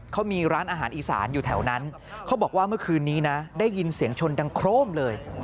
เขามีร้านอาหารอีสานอยู่แถวนั้นเขาบอกว่าเมื่อคืนนี้นะได้ยินเสียงชนดังโครมเลย